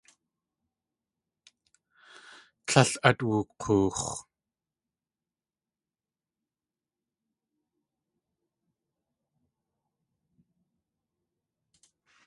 Tlél át wuk̲oox̲.